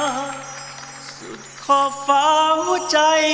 สุขฟ้าหุดใจ